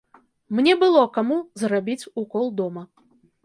Мне было каму зрабіць укол дома.